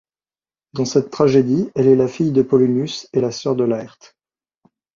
Dans cette tragédie, elle est la fille de Polonius et la sœur de Laërte.